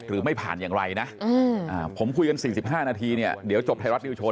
หรือไม่ผ่านอย่างไรนะผมคุยกัน๔๕นาทีเนี่ยเดี๋ยวจบไทยรัฐนิวโว